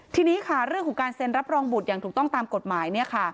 ทีนี้ค่ะเรื่องของการเซ็นรับรองบุตรอย่างถูกต้องตามกฎหมาย